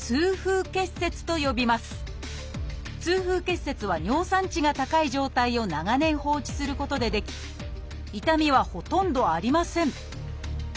痛風結節は尿酸値が高い状態を長年放置することで出来痛みはほとんどありません。